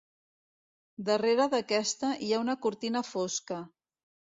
Darrere d'aquesta hi ha una cortina fosca.